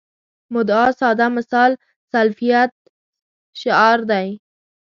مدعا ساده مثال سلفیت شعار دی.